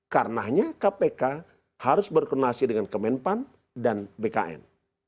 karenanya kpk harus berkoordinasi dengan kemenpan dan bkn